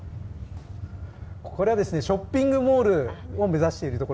ショッピングモールを目指しています。